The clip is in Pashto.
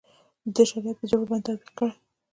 د ده شریعت په زور ورباندې تطبیق کړي.